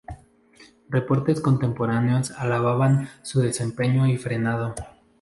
Reportes contemporáneos alababan su desempeño y frenado.